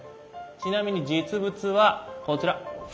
ちなみに実物はこちら。